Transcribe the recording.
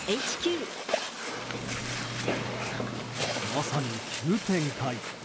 まさに急展開。